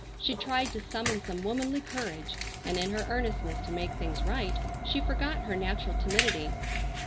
She tried to summon some womanly courage, and in her earnestness to make things right she forgot her natural timidity.